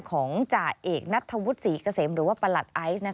จ่าเอกนัทธวุฒิศรีเกษมหรือว่าประหลัดไอซ์